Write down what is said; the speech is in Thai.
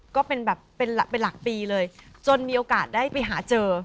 ก็เป็นหลักปีเลยจนมีโอกาสได้ไปหาเจอ